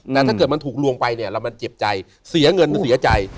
แต่ถ้าเกิดมันถูกลวงไปเนี่ยแล้วมันเจ็บใจเสียเงินเสียใจ